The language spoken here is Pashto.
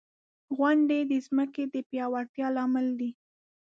• غونډۍ د ځمکې د پیاوړتیا لامل دی.